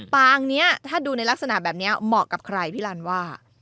ปางนี้ถ้าดูในลักษณะแบบนี้เหมาะกับใครพี่ลันว่า